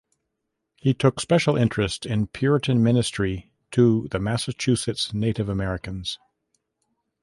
He took special interest in Puritan ministry to the Massachusetts Native Americans.